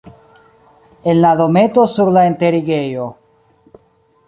En la dometo sur la enterigejo.